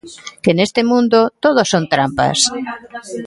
Que neste mundo todo son trampas!